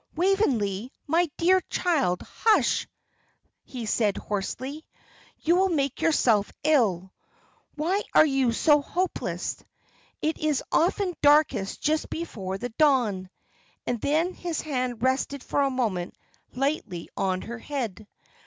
"Waveney, my dear child, hush!" he said, hoarsely, "you will make yourself ill. Why are you so hopeless? It is often darkest just before the dawn." And then his hand rested for a moment lightly on her head.